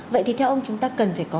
vậy thì theo ông chúng ta cần phải có